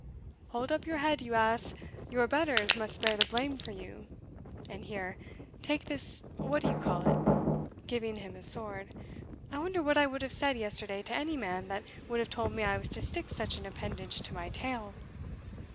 Hold up your head, you ass your betters must bear the blame for you And here, take this what d'ye call it" (giving him his sword) "I wonder what I would have said yesterday to any man that would have told me I was to stick such an appendage to my tail."